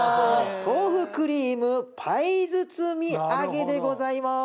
豆腐クリームパイ包み揚げでございます。